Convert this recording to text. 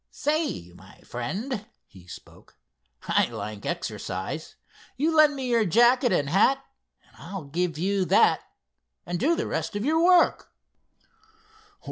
"Say, my friend," he spoke, "I like exercise. You lend me your jacket and hat, and I'll give you that, and do the rest of your work."